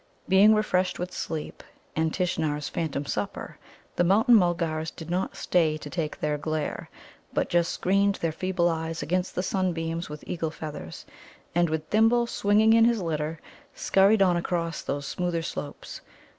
Being refreshed with sleep and Tishnar's phantom supper, the Mountain mulgars did not stay to take their "glare," but just screened their feeble eyes against the sunbeams with eagle feathers, and, with Thimble swinging in his litter, scurried on across these smoother slopes.